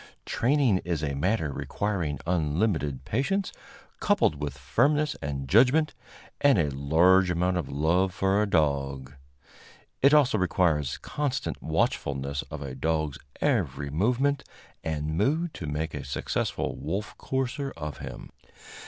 Training is a matter requiring unlimited patience, coupled with firmness and judgment, and a large amount of love for a dog. It also requires constant watchfulness of a dog's every movement and mood to make a successful wolf courser of him.